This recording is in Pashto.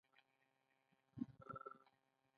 د اټروفي د حجرو کمېدل دي.